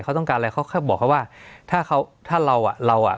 เขาต้องการอะไรเขาแค่บอกเขาว่าถ้าเขาถ้าเราอ่ะเราอ่ะ